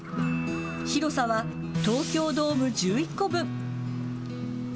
広さは東京ドーム１１個分。